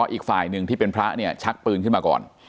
อีกฝ่ายหนึ่งที่เป็นพระเนี่ยชักปืนขึ้นมาก่อน